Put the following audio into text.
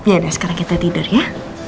yaudah sekarang kita tidur ya